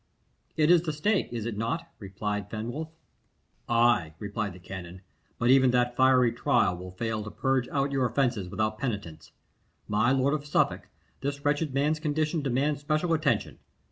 "It is the stake, is it not?" replied Fenwolf "Ay," replied the canon; "but even that fiery trial will fail to purge out your offences without penitence. My lord of Suffolk, this wretched man's condition demands special attention.